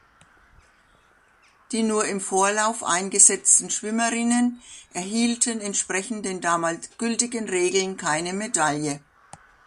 Die nur im Vorlauf eingesetzten Schwimmerinnen erhielten entsprechend den damals gültigen Regeln keine Medaille.